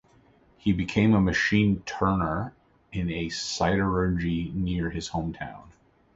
He became a machine tuner in a siderurgy near his hometown.